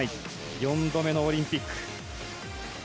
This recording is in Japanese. ４度目のオリンピック。